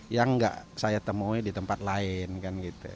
yang nggak saya temui di tempat lain kan gitu